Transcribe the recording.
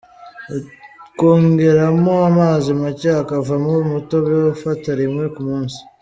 Ukongeramo amazi make hakavamo umutobe ufata rimwe ku munsi.